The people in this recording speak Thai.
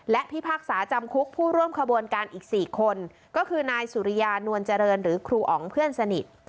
และพิพากษาจำคุกผู้ร่วมขบวนการอีก๔คนก็คือนายสุริยานวลเจริญหรือครูอ๋องเพื่อนสนิท